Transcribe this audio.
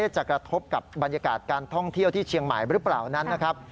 จะกระทบกับบรรยากาศการท่องเที่ยวที่เชียงใหม่หรือเปล่านั้นนะครับ